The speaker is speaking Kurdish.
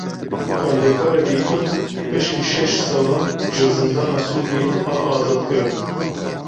Xwendekarekî Kurd piştî şeş salan ji zindana Sûriyeyê hat azadkirin.